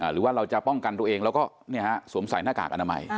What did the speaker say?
หรือว่าเราจะป้องกันตัวเองแล้วก็สวมใส่หน้ากากอนามัย